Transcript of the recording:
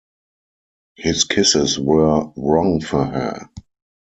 His kisses were wrong for her.